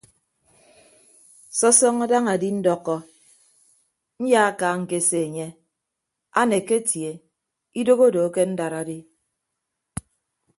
Sọsọñọ daña adindọkọ nyaaka ñkese enye aneke atie idoho odo akendad adi.